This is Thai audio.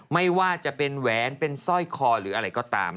ไม่ว่าจะเป็นแหวนเป็นสร้อยคอหรืออะไรก็ตาม